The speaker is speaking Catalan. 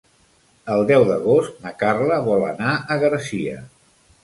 El deu d'agost na Carla vol anar a Garcia.